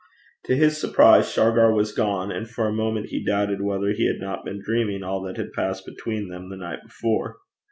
To his surprise Shargar was gone, and for a moment he doubted whether he had not been dreaming all that had passed between them the night before.